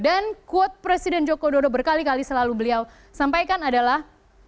quote presiden joko widodo berkali kali selalu beliau sampaikan adalah